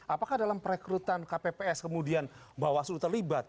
apakah dalam perekrutan kpps kemudian bawaslu terlibat